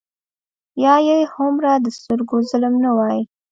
یا یې هومره د سترګو ظلم نه وای.